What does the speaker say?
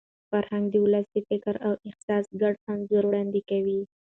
فرهنګ د ولس د فکر او احساس ګډ انځور وړاندې کوي.